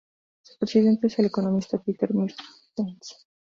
Su presidente es el economista Peter Mertens.